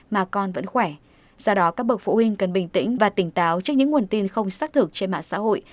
mà con vẫn khỏe do đó các bậc phụ huynh cần bình tĩnh và tỉnh táo trước những nguồn tin không xác thực trên mạng xã hội